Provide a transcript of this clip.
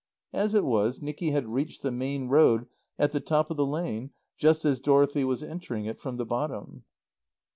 As it was, Nicky had reached the main road at the top of the lane just as Dorothy was entering it from the bottom.